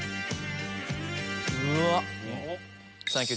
うわっ！